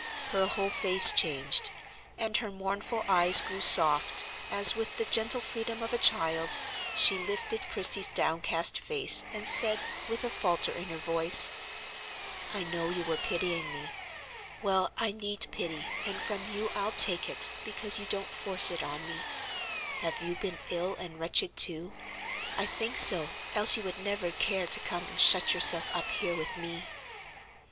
Her whole face changed, and her mournful eyes grew soft as with the gentle freedom of a child she lifted Christie's downcast face and said, with a falter in her voice: "I know you were pitying me. Well, I need pity, and from you I'll take it, because you don't force it on me. Have you been ill and wretched too? I think so, else you would never care to come and shut yourself up here with me!"